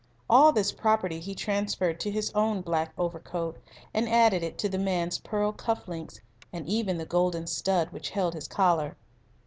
All this property he transferred to his own black overcoat, and added to it the man's pearl cuff links, and even the golden stud which held his collar.